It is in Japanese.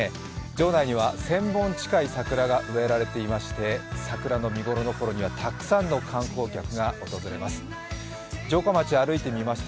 城内には１０００本近い桜が植えられていまして桜の見頃のころにはたくさんの観光客が訪れます。